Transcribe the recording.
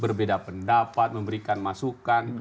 berbeda pendapat memberikan masukan